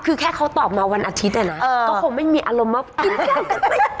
คือแค่เขาตอบมาวันอาทิตย์อะนะก็คงไม่มีอารมณ์มากกว่า